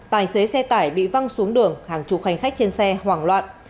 tài xế xe tải bị văng xuống đường hàng chục hành khách trên xe hoảng loạn